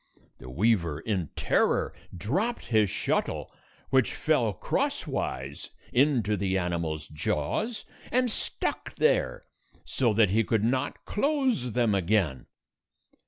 The weaver, in terror, dropped his shuttle, which fell crosswise into the animal's jaws, and stuck there so that he could not close them again.